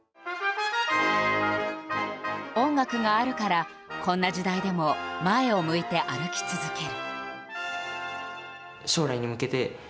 音楽があるから、こんな時代でも前を向いて歩き続ける。